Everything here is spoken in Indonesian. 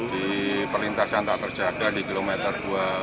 di perlintasan tak terjaga di kilometer dua puluh